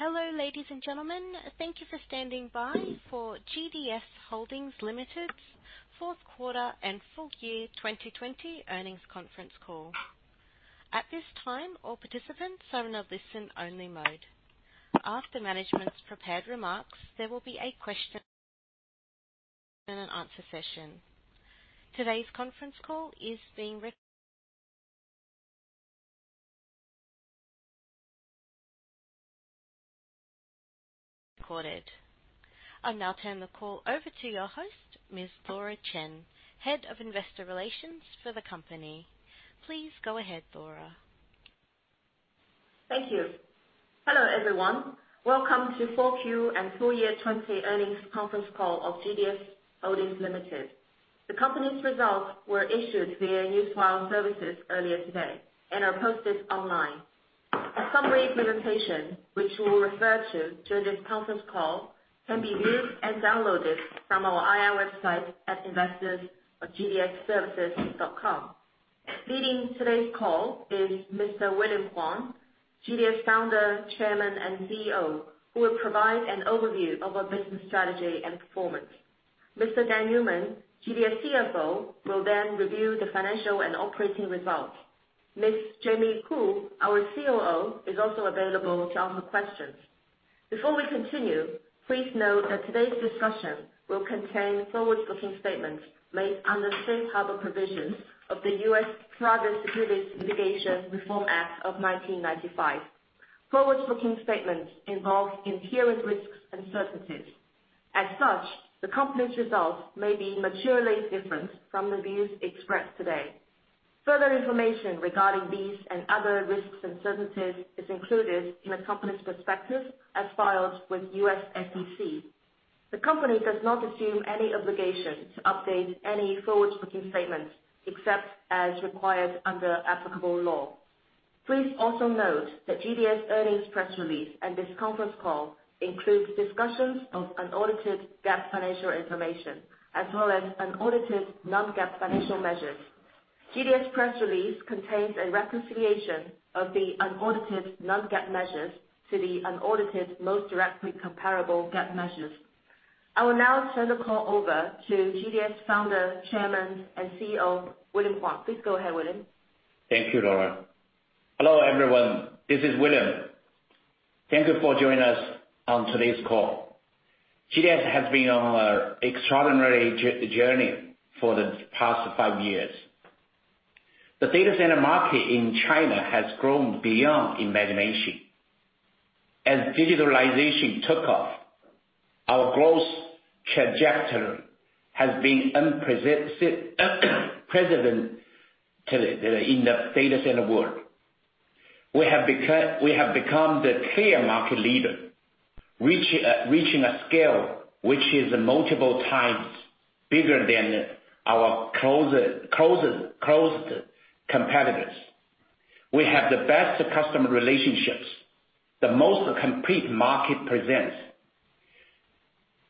Hello, ladies and gentlemen. Thank you for standing by for GDS Holdings Limited's fourth quarter and full year 2020 earnings conference call. At this time, all participants are in a listen-only mode. After management's prepared remarks, there will be a question and answer session. Today's conference call is being recorded. I'll now turn the call over to your host, Ms. Laura Chen, Head of Investor Relations for the company. Please go ahead, Laura. Thank you. Hello, everyone. Welcome to 4Q and full year 2020 earnings conference call of GDS Holdings Limited. The company's results were issued via Newswire services earlier today and are posted online. A summary presentation, which we'll refer to during this conference call, can be viewed and downloaded from our IR website at investors.gdsservices.com. Leading today's call is Mr. William Huang, GDS Founder, Chairman, and CEO, who will provide an overview of our business strategy and performance. Mr. Dan Newman, GDS CFO, will review the financial and operating results. Ms. Jamie Khoo, our COO, is also available to answer questions. Before we continue, please note that today's discussion will contain forward-looking statements made under the Safe Harbor Provisions of the U.S. Private Securities Litigation Reform Act of 1995. Forward-looking statements involve inherent risks and uncertainties. The company's results may be materially different from the views expressed today. Further information regarding these and other risks and uncertainties is included in the company's prospectus as filed with U.S. SEC. The company does not assume any obligation to update any forward-looking statements except as required under applicable law. Please also note that GDS earnings press release and this conference call includes discussions of unaudited GAAP financial information, as well as unaudited non-GAAP financial measures. GDS press release contains a reconciliation of the unaudited, non-GAAP measures to the unaudited most directly comparable GAAP measures. I will now turn the call over to GDS founder, Chairman, and CEO, William Huang. Please go ahead, William. Thank you, Laura. Hello, everyone. This is William. Thank you for joining us on today's call. GDS has been on an extraordinary journey for the past five years. The data center market in China has grown beyond imagination. As digitalization took off, our growth trajectory has been unprecedented in the data center world. We have become the clear market leader, reaching a scale which is multiple times bigger than our closest competitors. We have the best customer relationships, the most complete market presence.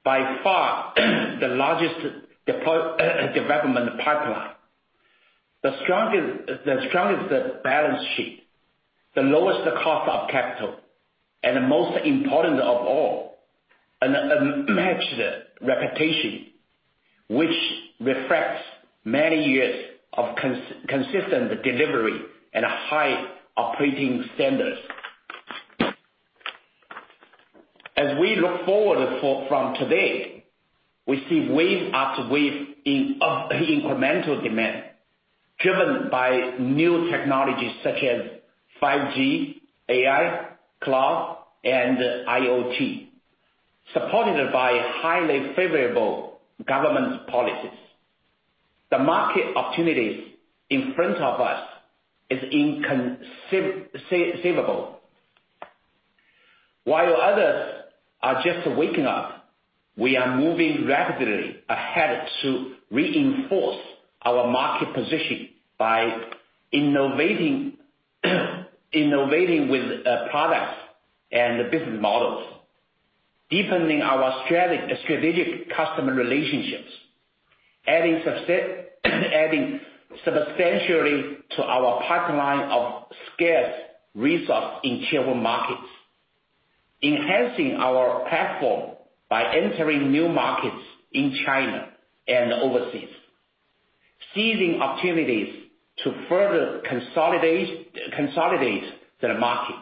By far, the largest development pipeline, the strongest balance sheet, the lowest cost of capital, and the most important of all, an unmatched reputation which reflects many years of consistent delivery and high operating standards. As we look forward from today, we see wave after wave of incremental demand driven by new technologies such as 5G, AI, cloud, and IoT, supported by highly favorable government policies. The market opportunities in front of us is inconceivable. While others are just waking up, we are moving rapidly ahead to reinforce our market position by innovating with products and business models, deepening our strategic customer relationships, adding substantially to our pipeline of scarce resource in Tier 1 markets, enhancing our platform by entering new markets in China and overseas, seizing opportunities to further consolidate the market,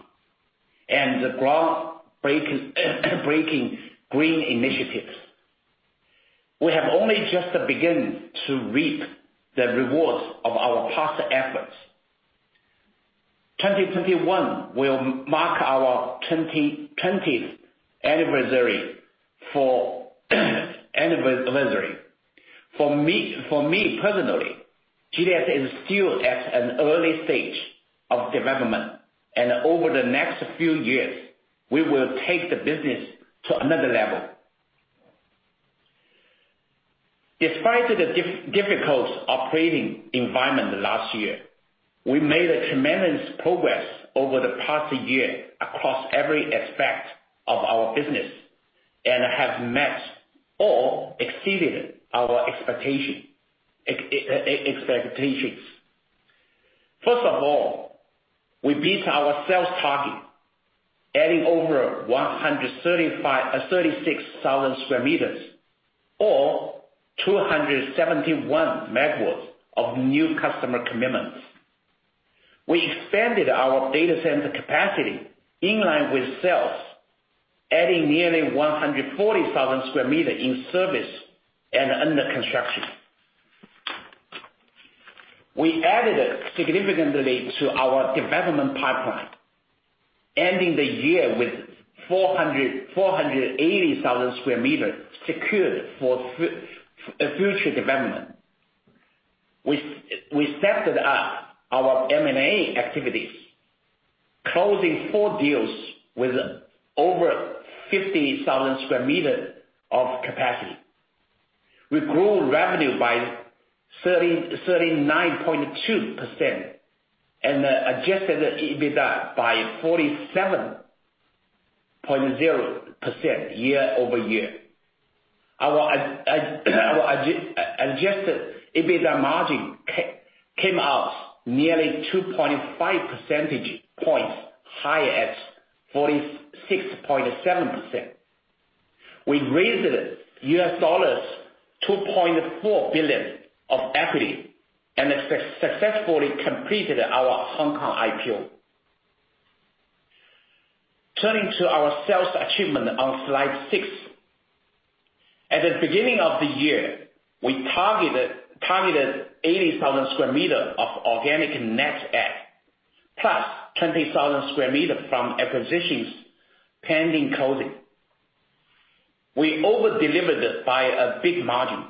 and the groundbreaking green initiatives. We have only just begun to reap the rewards of our past efforts. 2021 will mark our 20th anniversary. For me personally, GDS is still at an early stage of development, and over the next few years, we will take the business to another level. Despite the difficult operating environment last year, we made tremendous progress over the past year across every aspect of our business and have met or exceeded our expectations. First of all, we beat our sales target, adding over 136,000 sq m or 271 MW of new customer commitments. We expanded our data center capacity in line with sales, adding nearly 140,000 sq m in service and under construction. We added significantly to our development pipeline, ending the year with 480,000 sq m secured for future development. We stepped up our M&A activities, closing four deals with over 50,000 sq m of capacity. We grew revenue by 39.2% and Adjusted EBITDA by 47.0% year-over-year. Our Adjusted EBITDA margin came out nearly 2.5 percentage points higher at 46.7%. We raised $2.4 billion of equity and successfully completed our Hong Kong IPO. Turning to our sales achievement on slide six. At the beginning of the year, we targeted 80,000 sq m of organic net add, +20,000 sq m from acquisitions pending closing. We over-delivered by a big margin,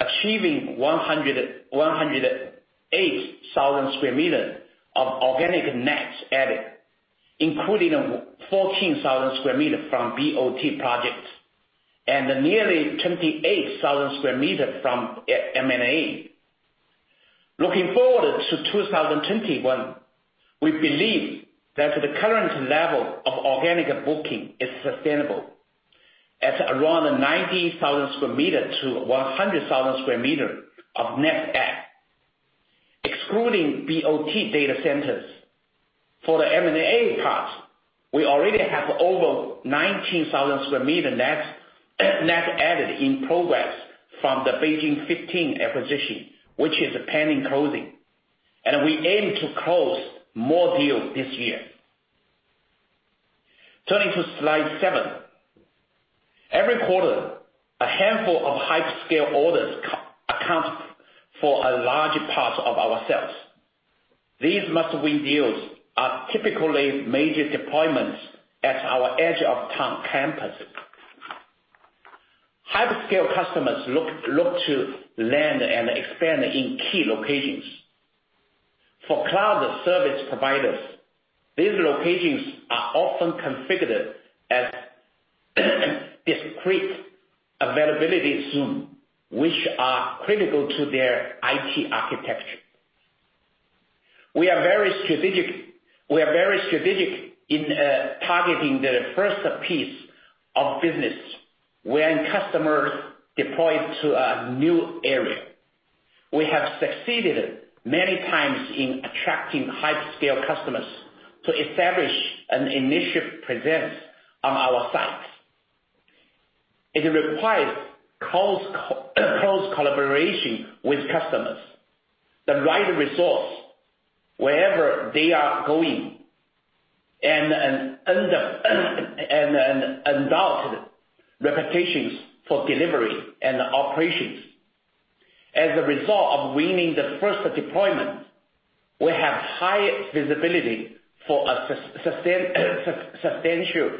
achieving 108,000 sq m of organic net added, including 14,000 sq m from BOT projects and nearly 28,000 sq m from M&A. Looking forward to 2021, we believe that the current level of organic booking is sustainable at around 90,000 sq m-100,000 sq m of net add, excluding BOT data centers. For the M&A part, we already have over 19,000 sq m net added in progress from the Beijing 15 acquisition, which is pending closing, and we aim to close more deals this year. Turning to slide seven. Every quarter, a handful of hyperscale orders account for a large part of our sales. These must-win deals are typically major deployments at our edge of town campus. Hyperscale customers look to land and expand in key locations. For cloud service providers, these locations are often configured as discrete availability zone, which are critical to their IT architecture. We are very strategic in targeting the first piece of business when customers deploy to a new area. We have succeeded many times in attracting hyperscale customers to establish an initial presence on our sites. It requires close collaboration with customers, the right resource wherever they are going, and an undoubted reputations for delivery and operations. As a result of winning the first deployment, we have high visibility for a substantial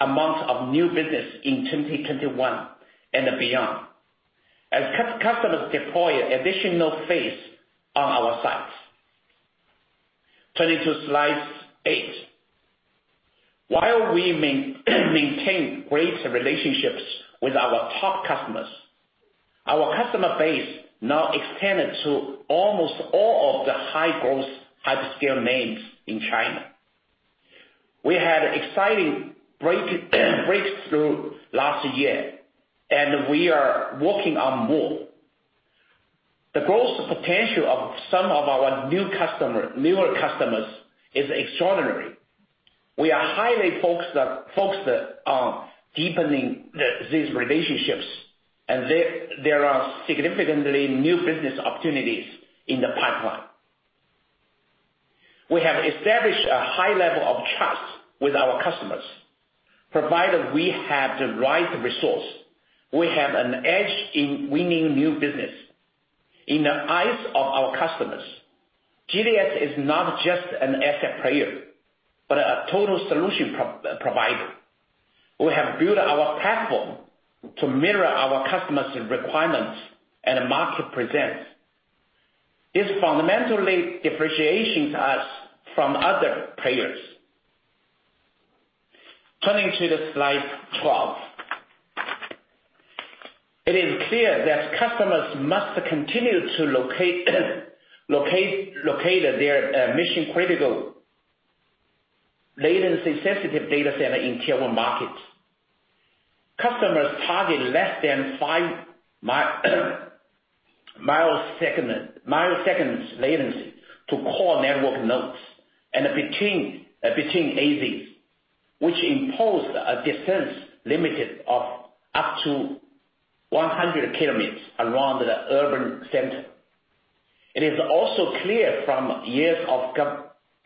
amount of new business in 2021 and beyond as customers deploy additional phase on our sites. Turning to slide eight. While we maintain great relationships with our top customers, our customer base now extended to almost all of the high-growth hyperscale names in China. We had exciting breakthrough last year. We are working on more. The growth potential of some of our newer customers is extraordinary. We are highly focused on deepening these relationships. There are significantly new business opportunities in the pipeline. We have established a high level of trust with our customers, provided we have the right resource. We have an edge in winning new business. In the eyes of our customers, GDS is not just an asset player, but a total solution provider. We have built our platform to mirror our customer's requirements and market presence. This fundamentally differentiates us from other players. Turning to the slide 12. It is clear that customers must continue to locate their mission-critical latency sensitive data center in Tier 1 markets. Customers target less than 5 ms latency to core network nodes and between AZs, which impose a distance limited of up to 100 km around the urban center. It is also clear from years of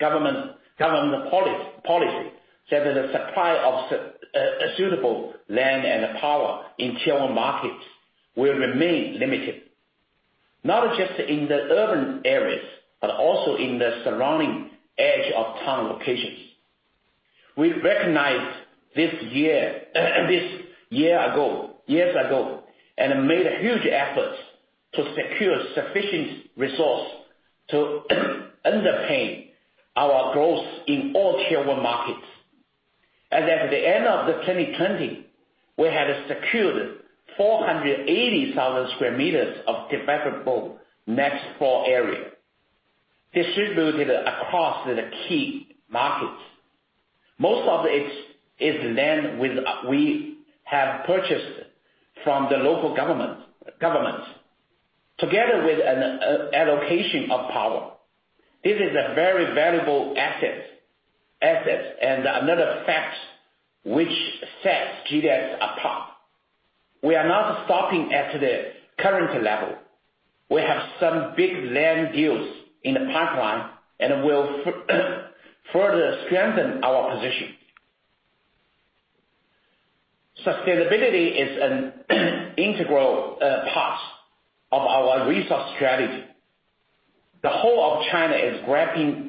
government policy that the supply of suitable land and power in Tier 1 markets will remain limited, not just in the urban areas, but also in the surrounding edge-of-town locations. We recognized this years ago and made huge efforts to secure sufficient resource to underpin our growth in all Tier 1 markets. As at the end of 2020, we had secured 480,000 sq m of developable net floor area distributed across the key markets. Most of it is land we have purchased from the local governments, together with allocation of power. This is a very valuable asset and another fact which sets GDS apart. We are not stopping at the current level. We have some big land deals in the pipeline and will further strengthen our position. Sustainability is an integral part of our resource strategy. The whole of China is grappling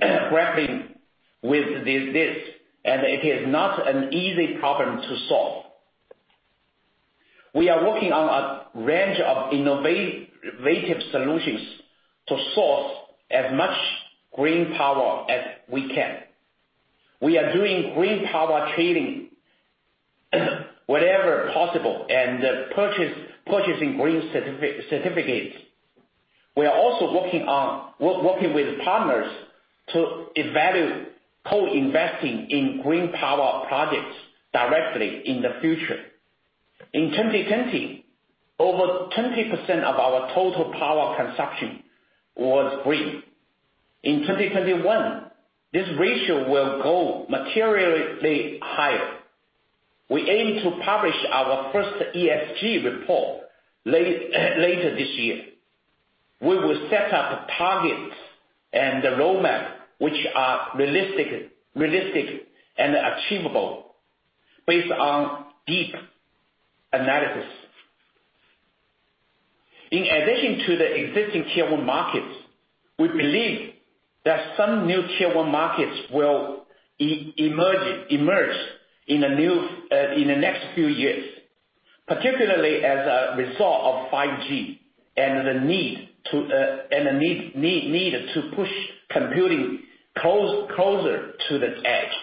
with this, and it is not an easy problem to solve. We are working on a range of innovative solutions to source as much green power as we can. We are doing green power trading wherever possible and purchasing green certificates. We are also working with partners to evaluate co-investing in green power projects directly in the future. In 2020, over 20% of our total power consumption was green. In 2021, this ratio will go materially higher. We aim to publish our first ESG report later this year. We will set up targets and the roadmap which are realistic and achievable based on deep analysis. In addition to the existing Tier 1 markets, we believe that some new Tier 1 markets will emerge in the next few years. Particularly as a result of 5G and the need to push computing closer to the edge.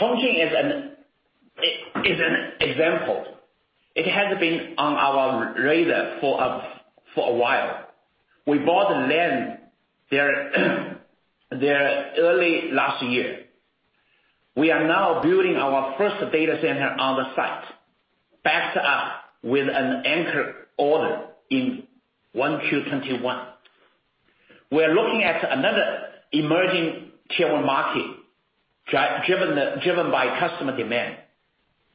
Chongqing is an example. It has been on our radar for a while. We bought land there early last year. We are now building our first data center on the site, backed up with an anchor order in 1Q 2021. We are looking at another emerging Tier 1 market driven by customer demand.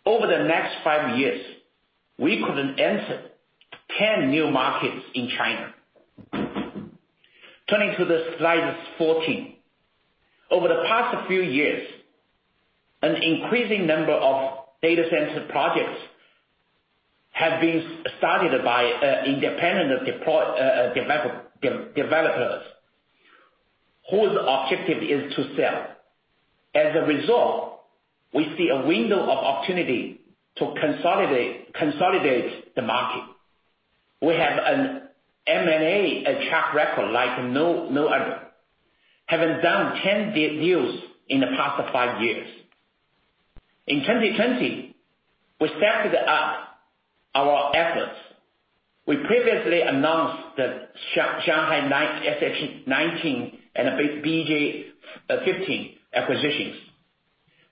Over the next five years, we could enter 10 new markets in China. Turning to the slides 14. Over the past few years, an increasing number of data center projects have been started by independent developers whose objective is to sell. As a result, we see a window of opportunity to consolidate the market. We have an M&A track record like no other, having done 10 deals in the past five years. In 2020, we stepped up our efforts. We previously announced the Shanghai SH19 and BJ15 acquisitions.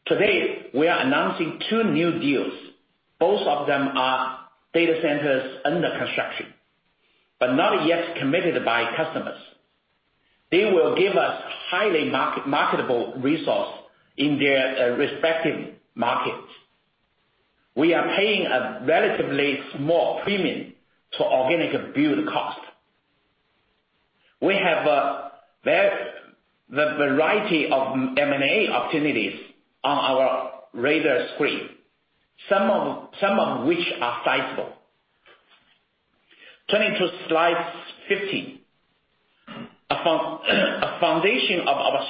Today, we are announcing two new deals. Both of them are data centers under construction, but not yet committed by customers. They will give us highly marketable resource in their respective markets. We are paying a relatively small premium to organic build cost. We have the variety of M&A opportunities on our radar screen, some of which are sizable. Turning to slides 15. A foundation of our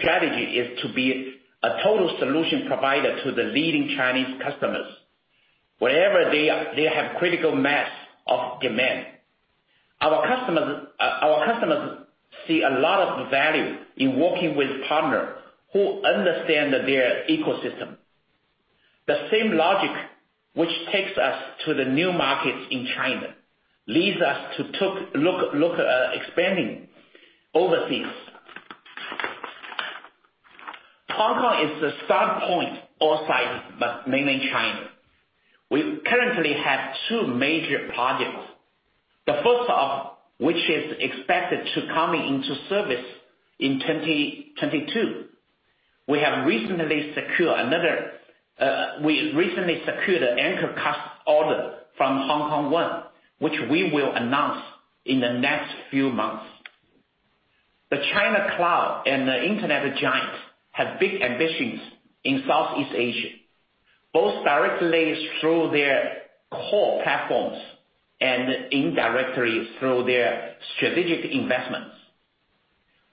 strategy is to be a total solution provider to the leading Chinese customers wherever they have critical mass of demand. Our customers see a lot of value in working with partners who understand their ecosystem. The same logic which takes us to the new markets in China leads us to look at expanding overseas. Hong Kong is the start point outside mainland China. We currently have two major projects, the first of which is expected to come into service in 2022. We have recently secured an anchor [cast order from Hong Kong One, which we will announce in the next few months. The China cloud and the internet giants have big ambitions in Southeast Asia, both directly through their core platforms and indirectly through their strategic investments.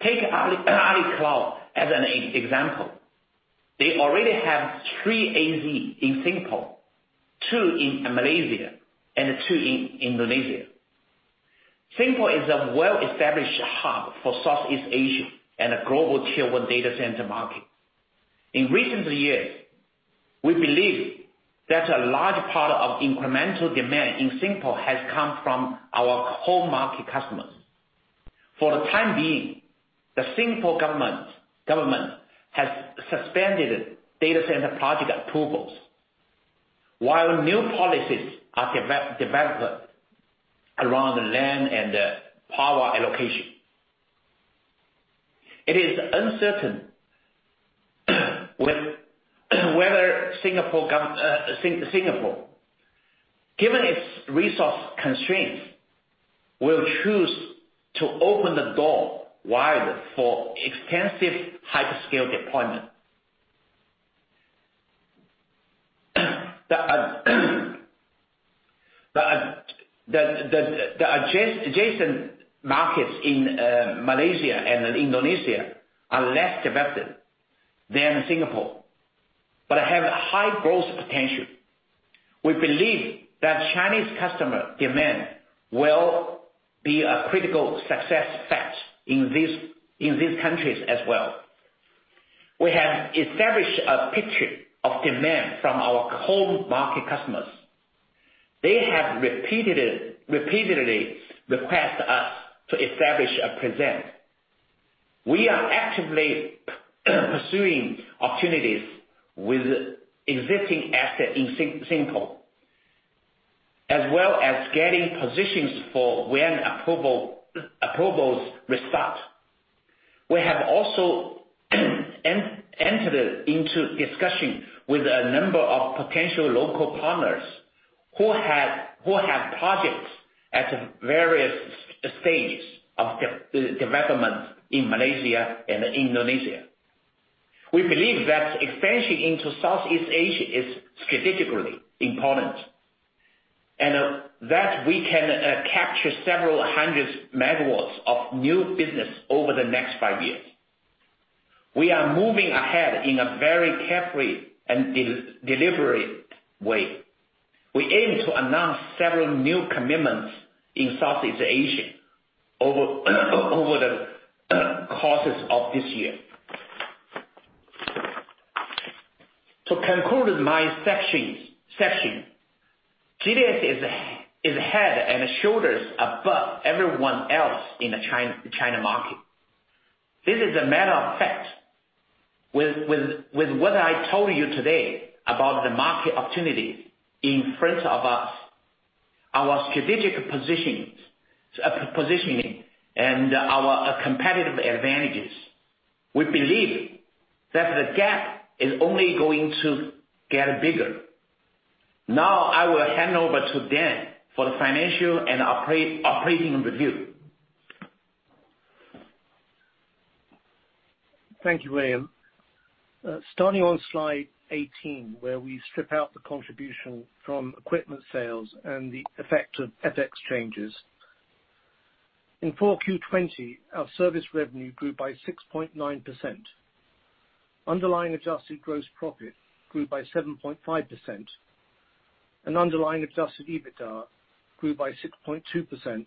Take AliCloud as an example. They already have three AZ in Singapore, two in Malaysia, and two in Indonesia. Singapore is a well-established hub for Southeast Asia and a global Tier 1 data center market. In recent years, we believe that a large part of incremental demand in Singapore has come from our home market customers. For the time being, the Singapore government has suspended data center project approvals while new policies are developed around the land and power allocation. It is uncertain whether Singapore, given its resource constraints, will choose to open the door wide for extensive hyperscale deployment. The adjacent markets in Malaysia and Indonesia are less developed than Singapore, but have high growth potential. We believe that Chinese customer demand will be a critical success factor in these countries as well. We have established a picture of demand from our home market customers. They have repeatedly requested us to establish a presence. We are actively pursuing opportunities with existing assets in Singapore, as well as getting positions for when approvals restart. We have also entered into discussions with a number of potential local partners who have projects at various stages of development in Malaysia and Indonesia. We believe that expansion into Southeast Asia is strategically important, and that we can capture several 100 MW of new business over the next five years. We are moving ahead in a very carefully and deliberate way. We aim to announce several new commitments in Southeast Asia over the course of this year. To conclude my section, GDS is head and shoulders above everyone else in the China market. This is a matter of fact. With what I told you today about the market opportunities in front of us, our strategic positioning, and our competitive advantages, we believe that the gap is only going to get bigger. Now I will hand over to Dan for the financial and operating review. Thank you, William. Starting on slide 18, where we strip out the contribution from equipment sales and the effect of FX changes. In 4Q 2020, our service revenue grew by 6.9%. Underlying adjusted gross profit grew by 7.5%, and underlying Adjusted EBITDA grew by 6.2%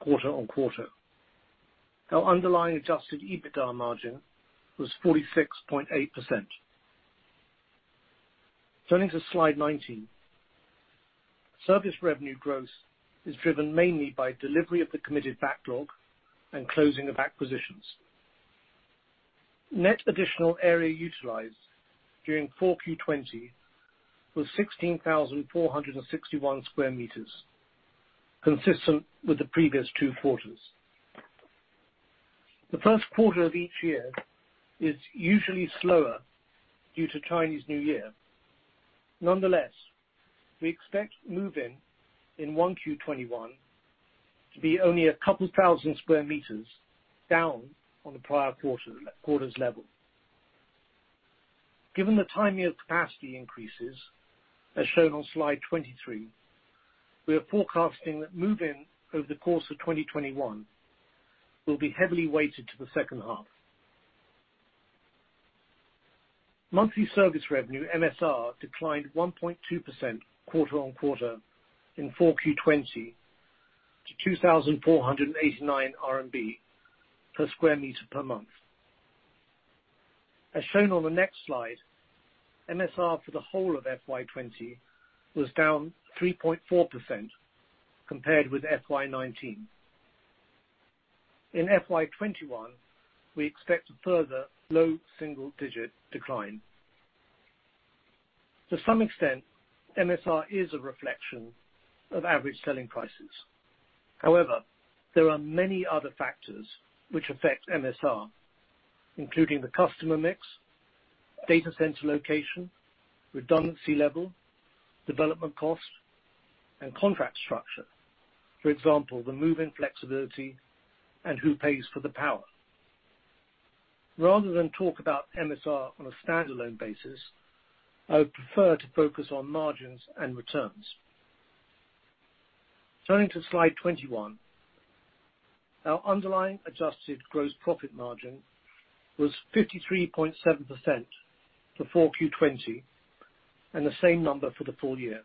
quarter-on-quarter. Our underlying Adjusted EBITDA margin was 46.8%. Turning to slide 19. Service revenue growth is driven mainly by delivery of the committed backlog and closing of acquisitions. Net additional area utilized during 4Q 2020 was 16,461 sq m, consistent with the previous two quarters. The first quarter of each year is usually slower due to Chinese New Year. Nonetheless, we expect move-in in 1Q 2021 to be only a couple thousands square meters down on the prior quarter's level. Given the timing of capacity increases, as shown on slide 23, we are forecasting that move-in over the course of 2021 will be heavily weighted to the second half. Monthly service revenue, MSR, declined 1.2% quarter-on-quarter in 4Q 2020. To 2,489 RMB per sq m per month. As shown on the next slide, MSR for the whole of FY 2020 was down 3.4% compared with FY 2019. In FY 2021, we expect a further low single digit decline. To some extent, MSR is a reflection of average selling prices. There are many other factors which affect MSR, including the customer mix, data center location, redundancy level, development cost, and contract structure, including the move-in flexibility and who pays for the power. Rather than talk about MSR on a standalone basis, I would prefer to focus on margins and returns. Turning to slide 21, our underlying adjusted gross profit margin was 53.7% for 4Q 2020, and the same number for the full year,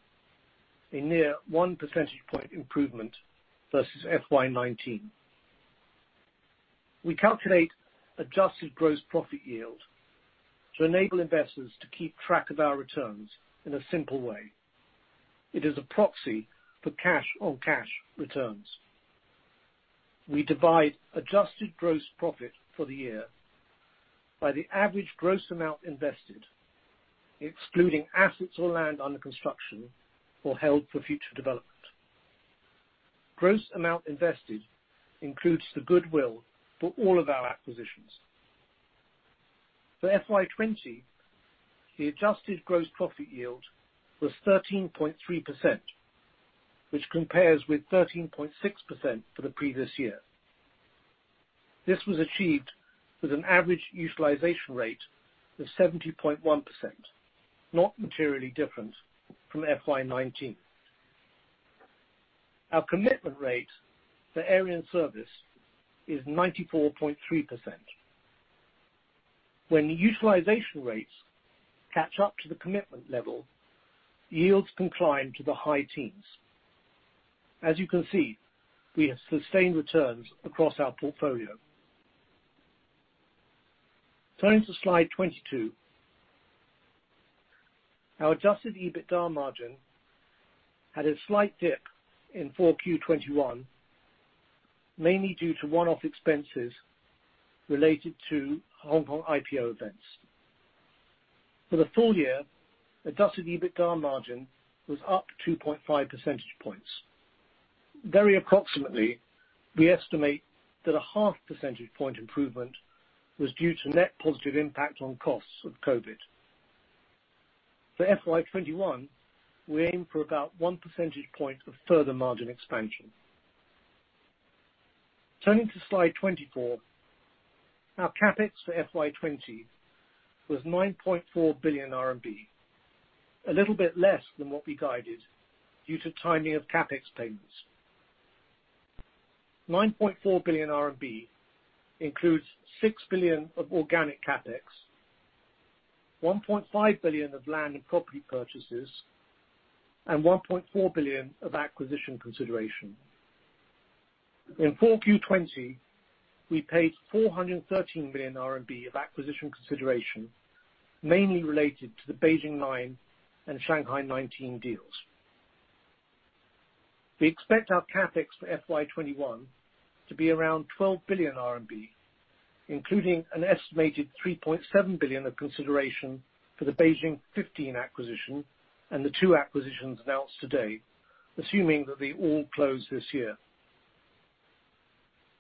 a near one percentage point improvement versus FY 2019. We calculate adjusted gross profit yield to enable investors to keep track of our returns in a simple way. It is a proxy for cash on cash returns. We divide adjusted gross profit for the year by the average gross amount invested, excluding assets or land under construction, or held for future development. Gross amount invested includes the goodwill for all of our acquisitions. For FY 2020, the adjusted gross profit yield was 13.3%, which compares with 13.6% for the previous year. This was achieved with an average utilization rate of 70.1%, not materially different from FY 2019. Our commitment rate for area in service is 94.3%. When the utilization rates catch up to the commitment level, yields can climb to the high teens. As you can see, we have sustained returns across our portfolio. Turning to slide 22. Our Adjusted EBITDA margin had a slight dip in 4Q 2021, mainly due to one-off expenses related to Hong Kong IPO events. For the full year, Adjusted EBITDA margin was up 2.5 percentage points. Very approximately, we estimate that a half percentage point improvement was due to net positive impact on costs of COVID. For FY 2021, we aim for about one percentage point of further margin expansion. Turning to slide 24. Our CapEx for FY 2020 was 9.4 billion RMB, a little bit less than what we guided due to timing of CapEx payments. 9.4 billion RMB includes 6 billion of organic CapEx, 1.5 billion of land and property purchases, and 1.4 billion of acquisition consideration. In 4Q 2020, we paid 413 million RMB of acquisition consideration, mainly related to the Beijing 9 and Shanghai 19 deals. We expect our CapEx for FY 2021 to be around 12 billion RMB, including an estimated 3.7 billion of consideration for the Beijing 15 acquisition and the two acquisitions announced today, assuming that they all close this year.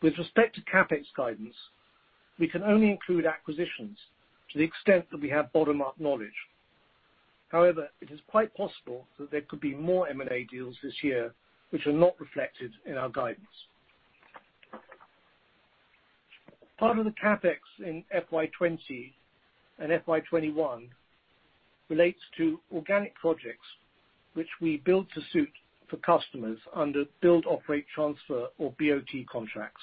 With respect to CapEx guidance, we can only include acquisitions to the extent that we have bottom-up knowledge. It is quite possible that there could be more M&A deals this year, which are not reflected in our guidance. Part of the CapEx in FY 2020 and FY 2021 relates to organic projects which we build to suit for customers under build operate transfer or BOT contracts.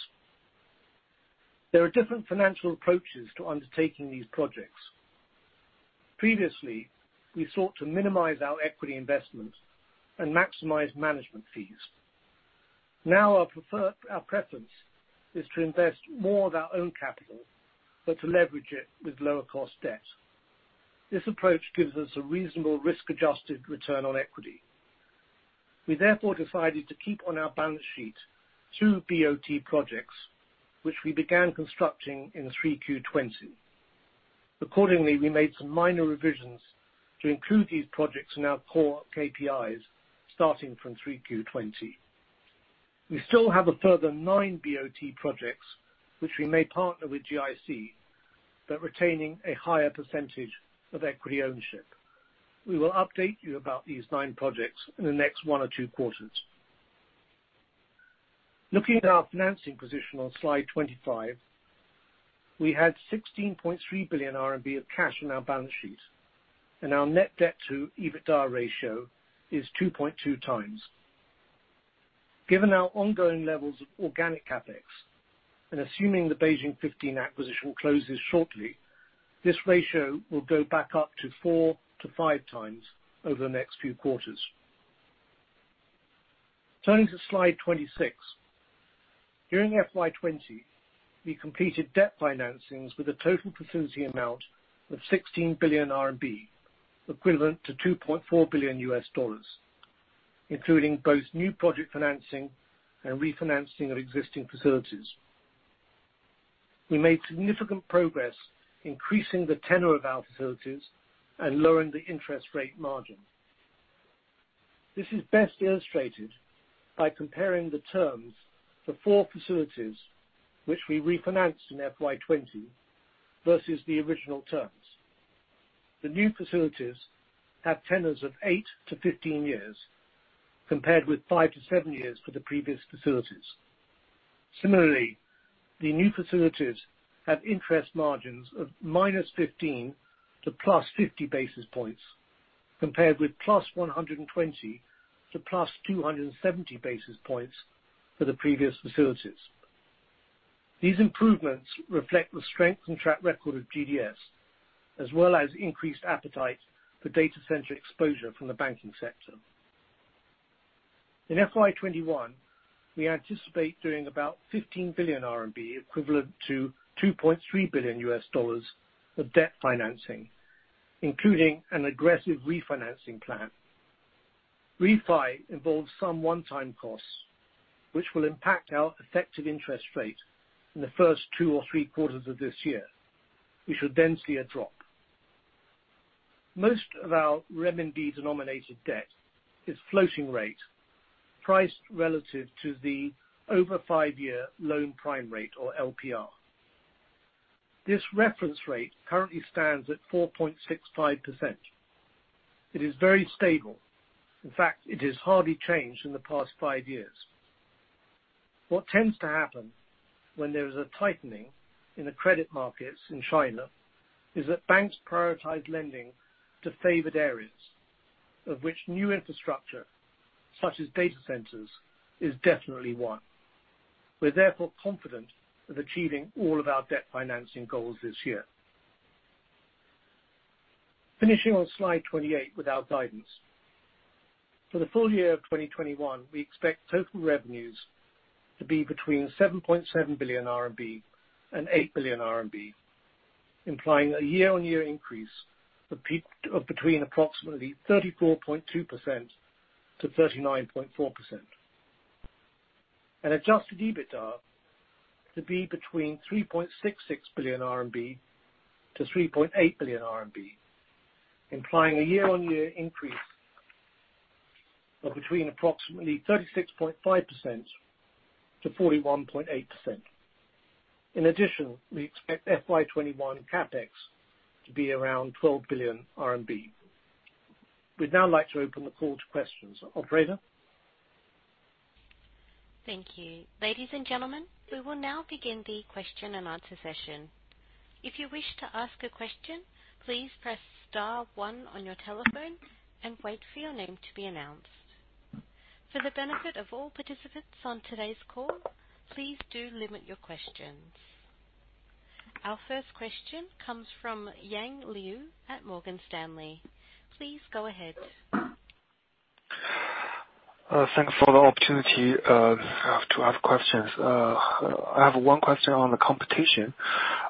There are different financial approaches to undertaking these projects. Previously, we sought to minimize our equity investment and maximize management fees. Our preference is to invest more of our own capital, but to leverage it with lower cost debt. This approach gives us a reasonable risk-adjusted return on equity. We therefore decided to keep on our balance sheet two BOT projects, which we began constructing in 3Q 2020. We made some minor revisions to include these projects in our core KPIs starting from 3Q 2020. We still have a further nine BOT projects, which we may partner with GIC, but retaining a higher percentage of equity ownership. We will update you about these nine projects in the next one or two quarters. Looking at our financing position on slide 25, we had 16.3 billion RMB of cash on our balance sheet, and our net debt to EBITDA ratio is 2.2x. Given our ongoing levels of organic CapEx. Assuming the Beijing 15 acquisition closes shortly, this ratio will go back up to 4x-5x over the next few quarters. Turning to slide 26. During FY 2020, we completed debt financings with a total facility amount of 16 billion RMB, equivalent to $2.4 billion, including both new project financing and refinancing of existing facilities. We made significant progress increasing the tenor of our facilities and lowering the interest rate margin. This is best illustrated by comparing the terms for four facilities, which we refinanced in FY 2020 versus the original terms. The new facilities have tenors of 8-15 years, compared with five to seven years for the previous facilities. Similarly, the new facilities have interest margins of -15-+50 basis points, compared with +120-+270 basis points for the previous facilities. These improvements reflect the strength and track record of GDS, as well as increased appetite for data center exposure from the banking sector. In FY 2021, we anticipate doing about 15 billion RMB, equivalent to $2.3 billion of debt financing, including an aggressive refinancing plan. Refi involves some one-time costs, which will impact our effective interest rate in the first two or three quarters of this year. We should see a drop. Most of our RMB-denominated debt is floating rate, priced relative to the over five-year loan prime rate or LPR. This reference rate currently stands at 4.65%. It is very stable. In fact, it has hardly changed in the past five years. What tends to happen when there is a tightening in the credit markets in China is that banks prioritize lending to favored areas, of which new infrastructure, such as data centers, is definitely one. We're therefore confident of achieving all of our debt financing goals this year. Finishing on slide 28 with our guidance. For the full year of 2021, we expect total revenues to be between 7.7 billion RMB and 8 billion RMB, implying a year-on-year increase of between approximately 34.2%-39.4%. Adjusted EBITDA to be between 3.66 billion-3.8 billion RMB, implying a year-on-year increase of between approximately 36.5%-41.8%. In addition, we expect FY 2021 CapEx to be around 12 billion RMB. We'd now like to open the call to questions. Operator? Thank you. Ladies and gentlemen, we will now begin the question and answer session. If you wish to ask a question, please press star one on your telephone and wait for your name to be announced. For the benefit of all participants on today's call, please do limit your questions. Our first question comes from Yang Liu at Morgan Stanley. Please go ahead. Thanks for the opportunity to ask questions. I have one question on the competition.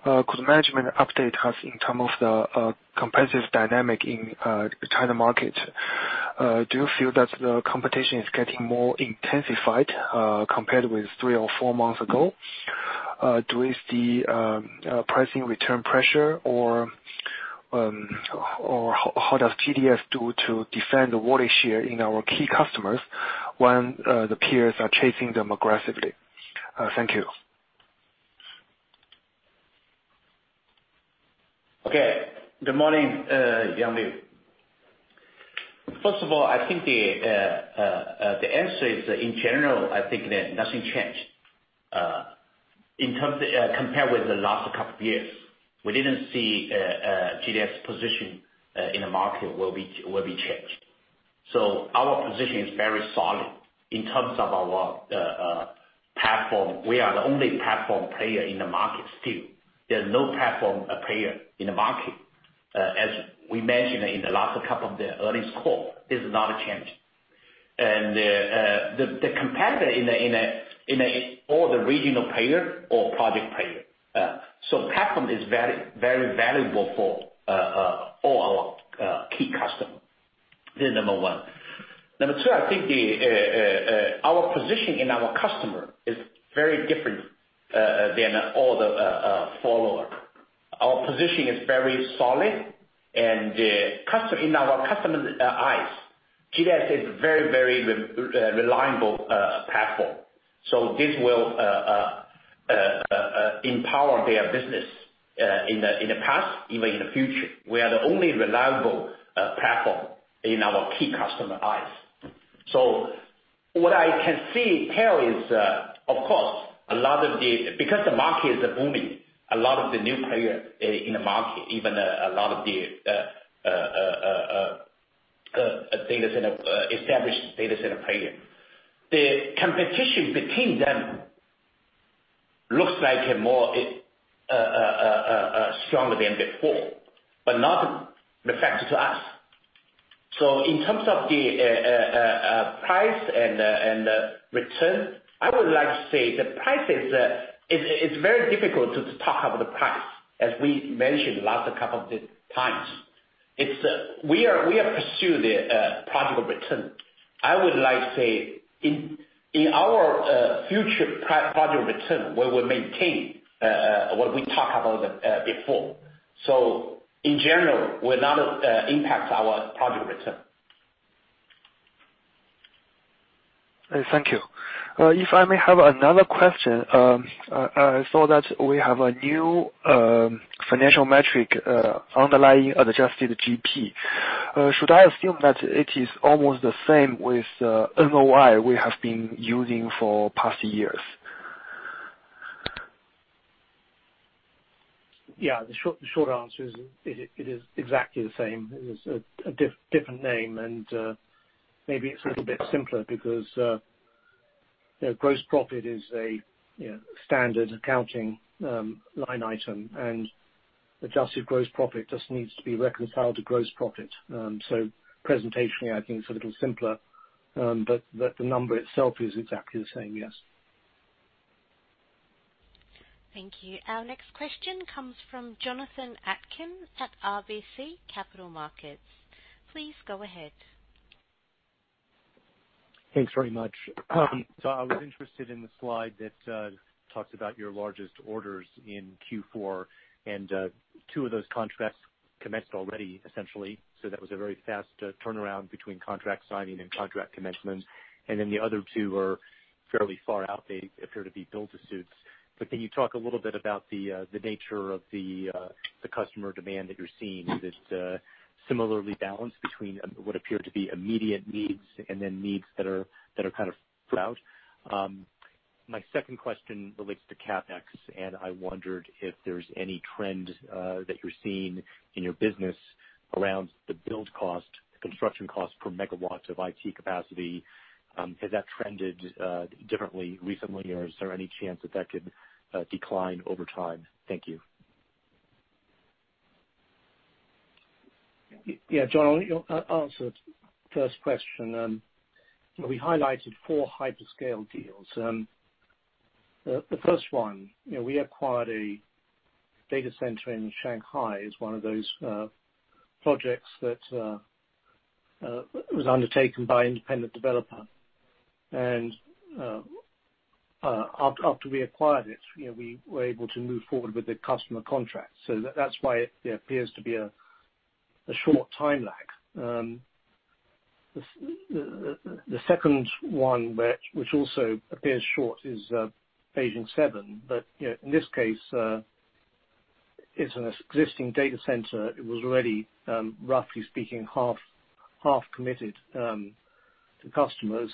Could management update us in terms of the competitive dynamic in China market? Do you feel that the competition is getting more intensified, compared with three or four months ago? Do you see pricing return pressure, or how does GDS do to defend the wallet share in our key customers when the peers are chasing them aggressively? Thank you. Okay. Good morning, Yang Liu. First of all, I think the answer is, in general, I think that nothing changed. Compared with the last couple of years, we didn't see GDS position in the market will be changed. Our position is very solid in terms of our platform. We are the only platform player in the market still. There's no platform player in the market. As we mentioned in the last couple of the earnings call, there's not a change. The competitor or the regional player or project player. Platform is very valuable for all our key customer. This is number one. Number two, I think our position in our customer is very different than all the follower. Our position is very solid, and in our customer's eyes, GDS is very reliable platform. This will empower their business in the past, even in the future. We are the only reliable platform in our key customer eyes. What I can see here is, of course, because the market is booming, a lot of the new players in the market, even a lot of the data center, established data center player. The competition between them looks like a more stronger than before, but not a factor to us. In terms of the price and the return, I would like to say It's very difficult to talk about the price, as we mentioned last couple of times. We are pursue the profitable return. I would like to say, in our future profitable return, we will maintain what we talked about before. In general, it will not impact our profitable return. Thank you. If I may have another question. I saw that we have a new financial metric, underlying adjusted GP. Should I assume that it is almost the same with NOI we have been using for past years? Yeah, the short answer is, it is exactly the same. It is a different name and maybe it's a little bit simpler because gross profit is a standard accounting line item, and adjusted gross profit just needs to be reconciled to gross profit. Presentationally, I think it's a little simpler. The number itself is exactly the same, yes. Thank you. Our next question comes from Jonathan Atkin at RBC Capital Markets. Please go ahead. Thanks very much. I was interested in the slide that talks about your largest orders in Q4, and two of those contracts commenced already, essentially. That was a very fast turnaround between contract signing and contract commencement. The other two are fairly far out. They appear to be built-to-suit. Can you talk a little bit about the nature of the customer demand that you're seeing that similarly balanced between what appear to be immediate needs and then needs that are kind of out? My second question relates to CapEx, and I wondered if there's any trend that you're seeing in your business around the build cost, construction cost per megawatt of IT capacity. Has that trended differently recently or is there any chance that that could decline over time? Thank you. Yeah, John, I'll answer the first question. We highlighted four hyperscale deals. The first one, we acquired a data center in Shanghai, is one of those projects that was undertaken by an independent developer. After we acquired it, we were able to move forward with the customer contract. That's why there appears to be a short time lag. The second one, which also appears short, is Beijing 7. In this case, it's an existing data center. It was already roughly speaking, half committed to customers.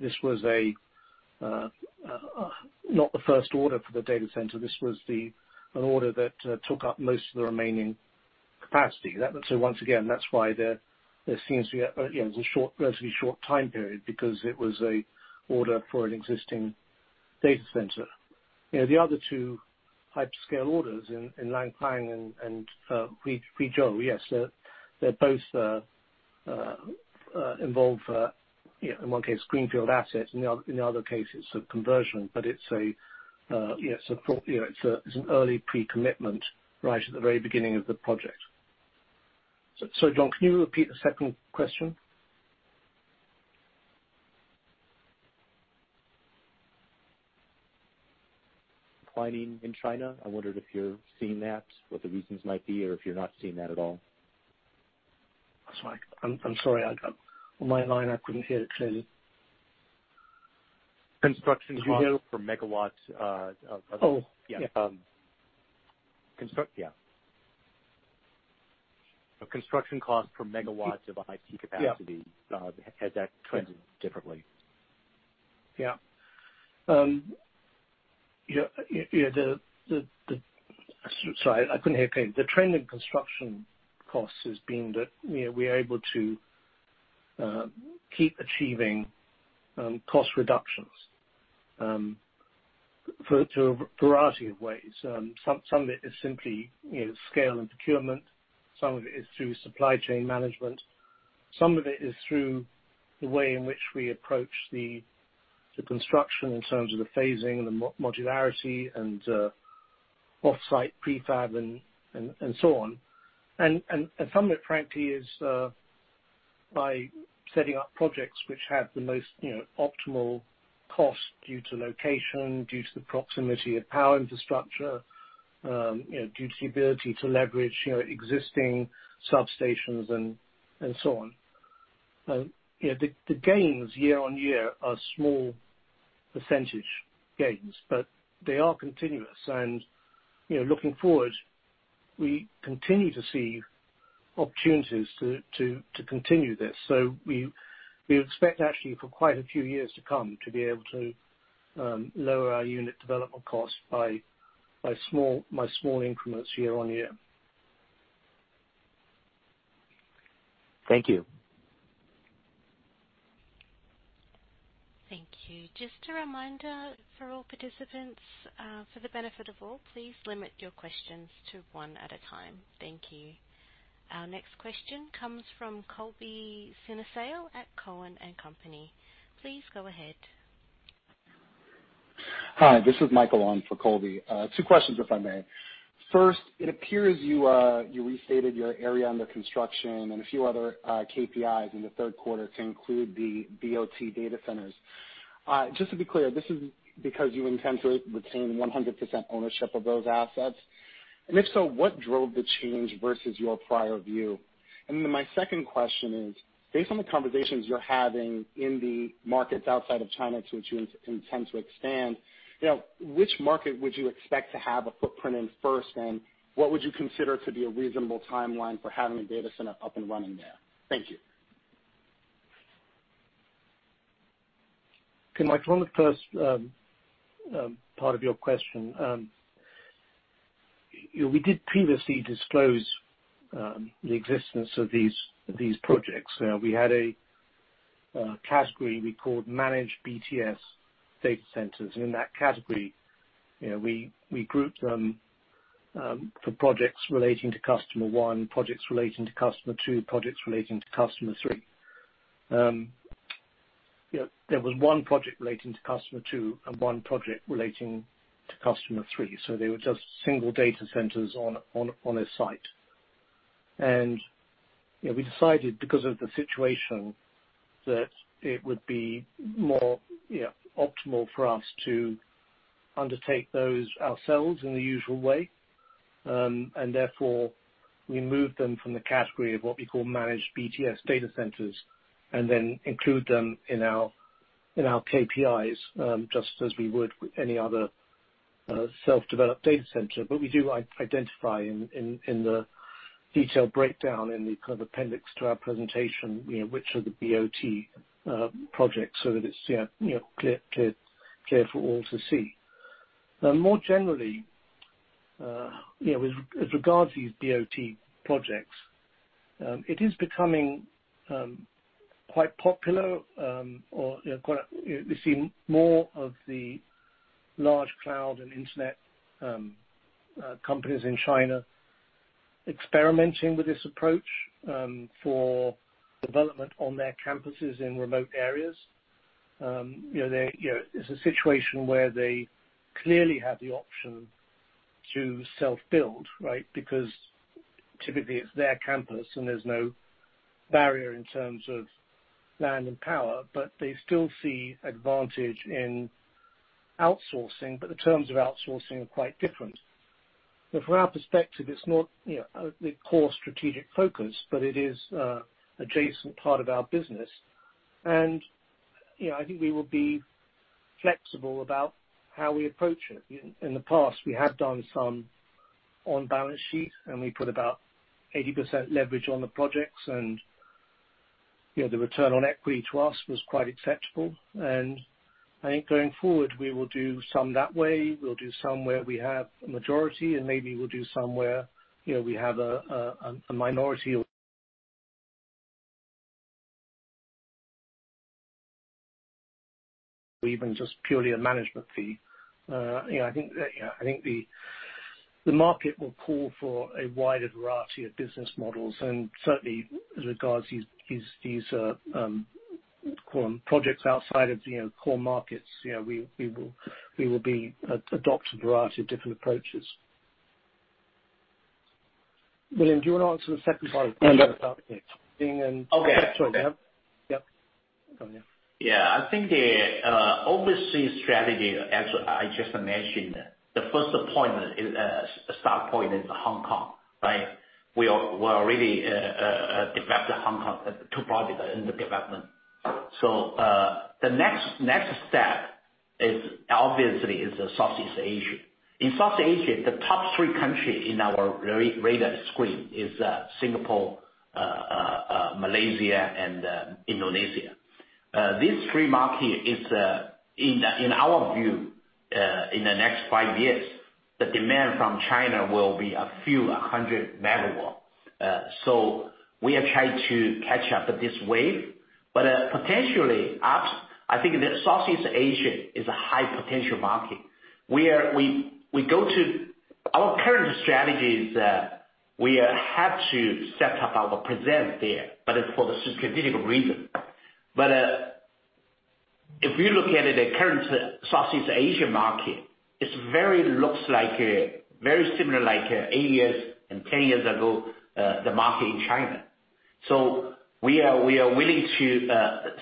This was not the first order for the data center. This was an order that took up most of the remaining capacity. Once again, that's why there seems to be a relatively short time period, because it was a order for an existing data center. The other two hyperscale orders in Langfang and Guizhou, yes, they both involve, in one case, greenfield assets. In the other case it's a conversion. It's an early pre-commitment right at the very beginning of the project. John, can you repeat the second question? Declining in China. I wondered if you're seeing that, what the reasons might be, or if you're not seeing that at all. I'm sorry. On my line, I couldn't hear it clearly. Construction cost per megawatts. Oh. Yeah. Yeah. Construction cost per megawatts of IT capacity. Yeah. Has that trended differently? Yeah. Sorry, I couldn't hear. The trend in construction costs has been that we're able to keep achieving cost reductions through a variety of ways. Some of it is simply scale and procurement. Some of it is through supply chain management. Some of it is through the way in which we approach the construction in terms of the phasing and the modularity and offsite prefab and so on. Some of it, frankly, is by setting up projects which have the most optimal cost due to location, due to the proximity of power infrastructure, due to the ability to leverage existing substations and so on. The gains year-on-year are small percentage gains, but they are continuous and looking forward, we continue to see opportunities to continue this. We expect actually for quite a few years to come to be able to lower our unit development cost by small increments year-on-year. Thank you. Thank you. Just a reminder for all participants, for the benefit of all, please limit your questions to one at a time. Thank you. Our next question comes from Colby Synesael at Cowen & Company. Please go ahead. Hi, this is Michael on for Colby. Two questions, if I may. First, it appears you restated your area under construction and a few other KPIs in the third quarter to include the BOT data centers. Just to be clear, this is because you intend to retain 100% ownership of those assets? If so, what drove the change versus your prior view? My second question is, based on the conversations you're having in the markets outside of China to which you intend to expand, which market would you expect to have a footprint in first, and what would you consider to be a reasonable timeline for having a data center up and running there? Thank you. Okay, Michael, on the first part of your question. We did previously disclose the existence of these projects. We had a category we called Managed BTS Data Centers, and in that category, we grouped them for projects relating to customer one, projects relating to customer two, projects relating to customer three. There was one project relating to customer two and one project relating to customer three, so they were just single data centers on a site. We decided because of the situation that it would be more optimal for us to undertake those ourselves in the usual way. Therefore, we moved them from the category of what we call Managed BTS Data Centers and then include them in our KPIs, just as we would with any other self-developed data center. We do identify in the detailed breakdown in the appendix to our presentation, which are the BOT projects, so that it's clear for all to see. More generally, with regard to these BOT projects, it is becoming quite popular. We see more of the large cloud and internet companies in China experimenting with this approach for development on their campuses in remote areas. It's a situation where they clearly have the option to self-build, right? Typically it's their campus and there's no barrier in terms of land and power, but they still see advantage in outsourcing, but the terms of outsourcing are quite different. From our perspective, it's not the core strategic focus, but it is adjacent part of our business. I think we will be flexible about how we approach it. In the past, we have done some on balance sheet, and we put about 80% leverage on the projects, and the return on equity to us was quite acceptable. I think going forward, we will do some that way, we'll do some where we have a majority, and maybe we'll do some where we have a minority or even just purely a management fee. I think the market will call for a wider variety of business models and certainly regards these projects outside of the core markets. We will be adopt a variety of different approaches. William, do you want to answer the second part of the question? Okay. Yeah. I think the overseas strategy, as I just mentioned, the first point is Hong Kong, right? We already developed Hong Kong, two projects are in the development. The next step is obviously Southeast Asia. In South Asia, the top three country in our radar screen is Singapore, Malaysia, and Indonesia. These three market is, in our view, in the next five years, the demand from China will be a few 100 MW. We are trying to catch up with this wave. Potentially, I think that Southeast Asia is a high potential market. Our current strategy is that we have to set up our presence there, but it's for the strategic reason. If you look at it, the current Southeast Asia market, it looks very similar like eight years and 10 years ago, the market in China. We are willing to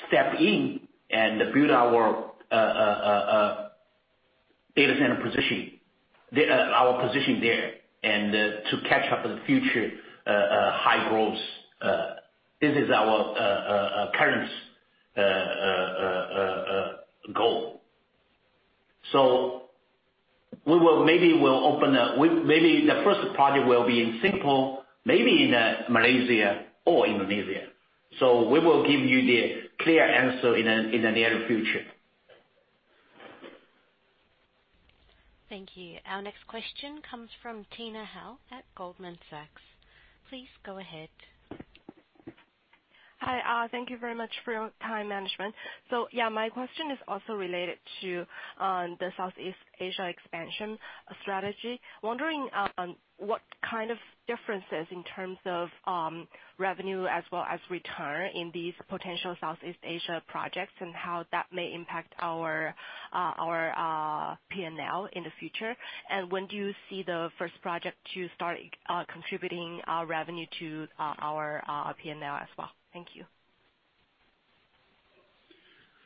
step in and build our data center position there and to catch up with the future high growths. This is our current goal. Maybe the first project will be in Singapore, maybe in Malaysia or Indonesia. We will give you the clear answer in the near future. Thank you. Our next question comes from Tina Hou at Goldman Sachs. Please go ahead. Hi. Thank you very much for your time, management. Yeah, my question is also related to the Southeast Asia expansion strategy. Wondering what kind of differences in terms of revenue as well as return in these potential Southeast Asia projects, and how that may impact our P&L in the future? When do you see the first project to start contributing our revenue to our P&L as well? Thank you.